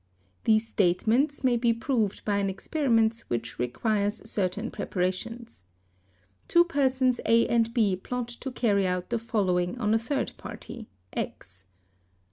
These statements may be proved by an | 'experiment which requires certain preparations. Two persons A and B _ plot to carry out the following on a third party, X.